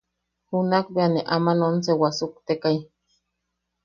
Junakbea ne aman once wasuktekai.